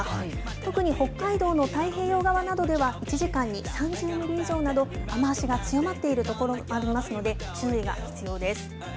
特に北海道の太平洋側などでは１時間に３０ミリ以上など、雨足が強まっている所もありますので、注意が必要です。